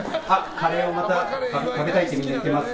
カレーをまた食べたいってみんな言ってます。